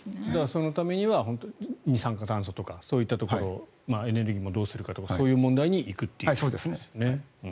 そのためには二酸化炭素とかそういったところエネルギーもどうするかとかそういう問題に行くということですよね。